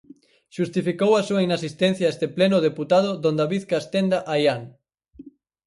Xustificou a súa inasistencia a este pleno o deputado don David Castenda Aián.